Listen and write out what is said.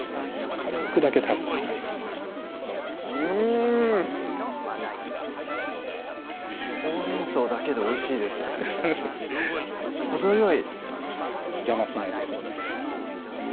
軽くだけたぶん香りがうんほうれん草だけでおいしいですねフフッ程よい邪魔しないですよねうわ